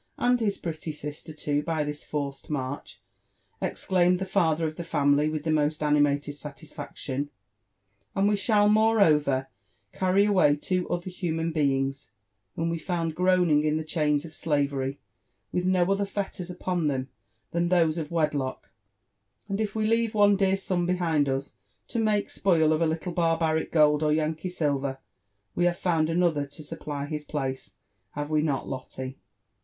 and his pretty sister too, by this forced march," exclaimed the father of the family with the most ani mated satisfaction ;*' and we shall moreover, carry away two other human beings, whom we found groaning in the chains of slavery, with no other fetters upon them than those of wedlock : and if we leave one dear son behind us to make spoil of a little barbaric gold or Yankee silver, we have found another tosupply his place — have we not Lotte?